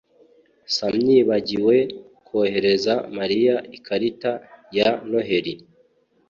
samyibagiwe kohereza Mariya ikarita ya Noheri